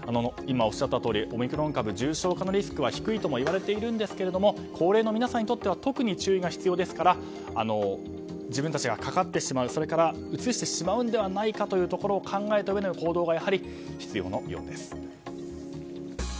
今、おっしゃったとおりオミクロン株は重症化リスクは低いといわれていますが高齢の皆さんにとっては特に注意が必要ですから自分たちがかかってしまうそれからうつしてしまうのではないかというところを考えたうえでの行動がやはり必要なようです。